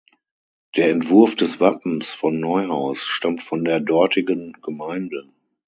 Der Entwurf des Wappens von Neuhaus stammt von der dortigen Gemeinde.